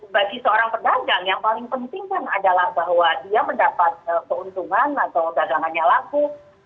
bagi seorang pedagang yang paling penting kan adalah bahwa dia mendapat keuntungan atau dagangannya laku